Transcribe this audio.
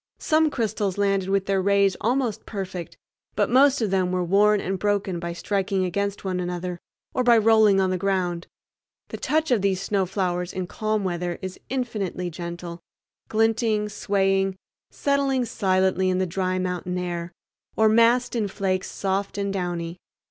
Some crystals landed with their rays almost perfect, but most of them were worn and broken by striking against one another, or by rolling on the ground. The touch of these snow flowers in calm weather is infinitely gentle—glinting, swaying, settling silently in the dry mountain air, or massed in flakes soft and downy.